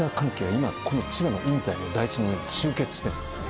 今この千葉の印西の台地の上に集結してんですね